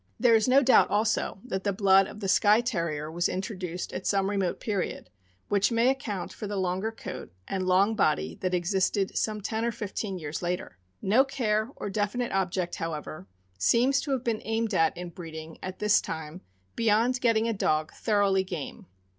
There is no doubt, also, that the blood of the Skye Terrier was introduced at some remote period, which may account for the longer coat and long body that existed some ten or fifteen years later. No care or definite object, however, seems to have been aimed at in breeding, at this time, beyond getting a dog thoroughly game.